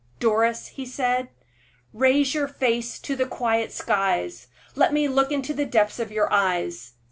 "Doris," he said, "raise your face to the quiet skies; let me look into the depths of your eyes.